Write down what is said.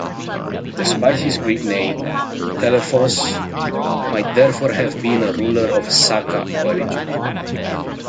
Despite his Greek name, Telephos might therefore have been a ruler of Saka origin.